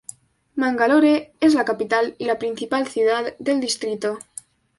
Mangalore es la capital y la principal ciudad del distrito.